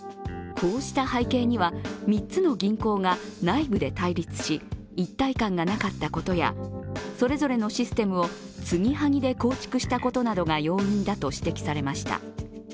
こうした背景には、３つの銀行が内部で対立し一体感がなかったことやそれぞれのシステムをつぎはぎで構築したことなどが要因だと指摘されました。